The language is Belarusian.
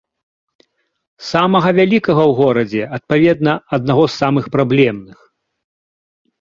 Самага вялікага ў горадзе, адпаведна, аднаго з самых праблемных.